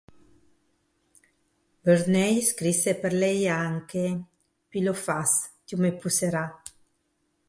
Verneuil scrisse per lei anche "Pile ou face", "Tu m'épouseras!